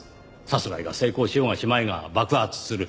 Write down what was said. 殺害が成功しようがしまいが爆発する。